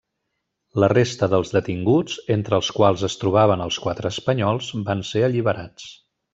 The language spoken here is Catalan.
La resta dels detinguts, entre els quals es trobaven els quatre espanyols, van ser alliberats.